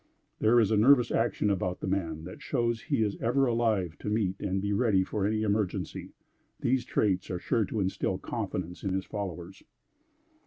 There is a nervous action about the man that shows he is ever alive to meet and be ready for any emergency. These traits are sure to instill confidence in his followers.